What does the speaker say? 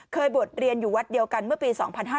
บวชเรียนอยู่วัดเดียวกันเมื่อปี๒๕๕๙